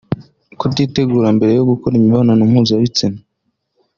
Kutitegura mbere yo gukora imibonano mpuzabitsina